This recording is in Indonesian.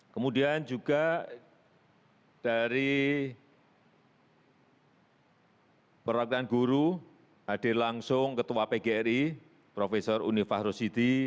kemudian juga dari perwakilan guru hadir langsung ketua pgri prof unifah rosidi